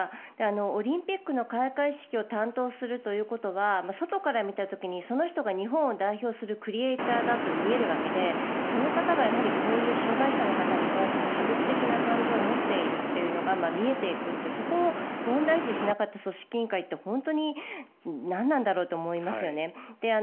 オリンピックの開会式を担当するということは外から見た時にその人が日本を代表するクリエーターだと見えるわけで、その方がこういう障害者の方に対する差別的な感情を持っているというのが見えていくってそこを問題視しなかった組織委員会って本当になんなんだろうって思いますよね。